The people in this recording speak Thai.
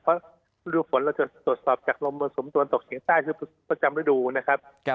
เพราะฤดูฝนเราจะตรวจสอบจากลมมรสุมตะวันตกเฉียงใต้คือประจำฤดูนะครับ